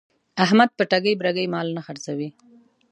احمد په ټګۍ برگۍ مال نه خرڅوي.